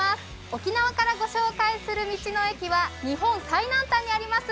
沖縄から御紹介する道の駅は日本最南端にあります